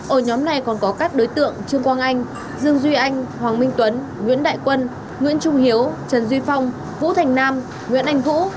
ở nhóm này còn có các đối tượng trương quang anh dương duy anh hoàng minh tuấn nguyễn đại quân nguyễn trung hiếu trần duy phong vũ thành nam nguyễn anh vũ